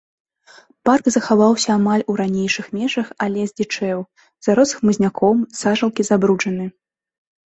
Парк захаваўся амаль у ранейшых межах, але здзічэў, зарос хмызняком, сажалкі забруджаны.